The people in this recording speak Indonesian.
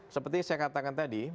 seperti saya katakan tadi